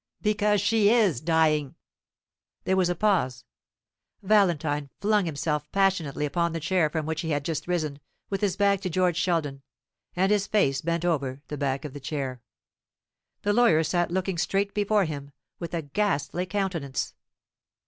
"Because she is dying." There was a pause. Valentine flung himself passionately upon the chair from which he had just risen, with his back to George Sheldon, and his face bent over the back of the chair. The lawyer sat looking straight before him, with a ghastly countenance.